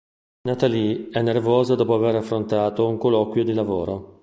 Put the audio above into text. Natalie è nervosa dopo aver affrontato un colloquio di lavoro.